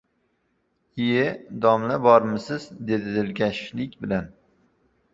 — Iye, domla, bormisiz! — dedi dilkashlik bilan.